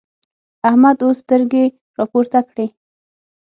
احمد اوس سترګې راپورته کړې.